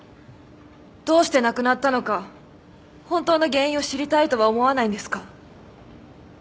どうして亡くなったのか本当の原因を知りたいとは思わないんですか？